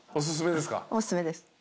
おすすめですか？